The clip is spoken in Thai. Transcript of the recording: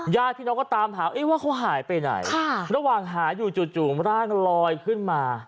ญาติพี่น้องก็ตามหาว่าเขาหายไปไหนระหว่างหาอยู่จู่ร่างลอยขึ้นมา